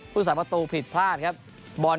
ผู้สามารถตัวผิดพลาดครับ